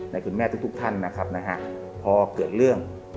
คุณแม่ทุกท่านนะครับนะฮะพอเกิดเรื่อง